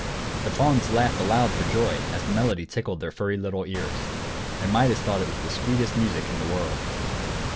The fauns laughed aloud for joy as the melody tickled their furry little ears. And Midas thought it the sweetest music in the world.